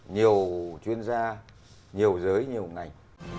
nhiều chuyên gia nhiều giới nhiều ngành